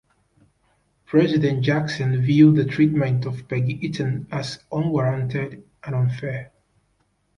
President Jackson viewed the treatment of Peggy Eaton as unwarranted and unfair.